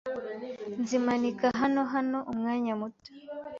Nzimanika hano hano umwanya muto.